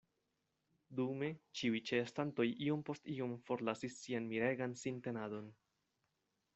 Dume ĉiuj ĉeestantoj iom post iom forlasis sian miregan sintenadon.